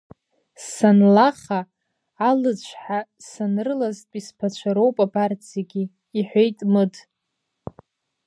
Санлаха, алыцәҳа санрылазтәи сԥацәа роуп абарҭ зегьы, — иҳәеит мыд.